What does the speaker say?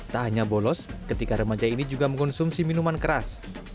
tak hanya bolos ketika remaja ini juga mengkonsumsi minuman keras